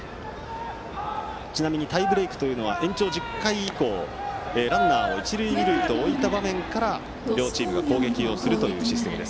ちなみにタイブレークというのは延長１０回以降ランナーを一塁二塁に置いた場面から両チームが攻撃をするシステムです。